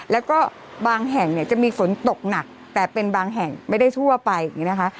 แล้วก็บางแห่งเนี่ยจะมีฝนตกหนักแต่เป็นบางแห่งไม่ได้ทั่วไปอย่างนี้นะคะ